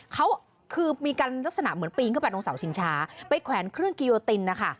เขาคือมีการลักษณะเหมือนปีนเข้าไปตรงเสาชิงช้าไปแขวนเครื่องกิโยตินนะคะ